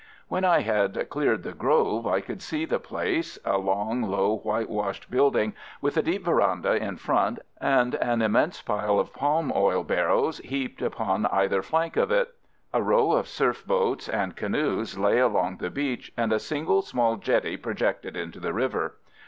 When I had cleared the grove, I could see the place, a long, low, whitewashed building, with a deep verandah in front, and an immense pile of palm oil barrels heaped upon either flank of it. A row of surf boats and canoes lay along the beach, and a single small jetty projected into the river.